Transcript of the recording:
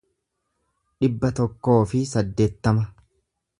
dhibba tokkoo fi saddeettama